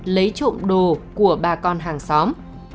lấy trộm đồ của bà con hàng xóm